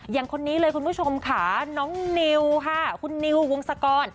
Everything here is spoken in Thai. อย่างคนนี้เลยคุณผู้ชมค่ะน้องนิวค่ะคุณนิววงศกร